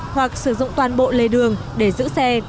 hoặc sử dụng toàn bộ lề đường để giữ xe